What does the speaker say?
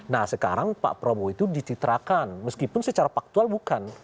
nah sekarang pak prabowo itu dicitrakan meskipun secara faktual bukan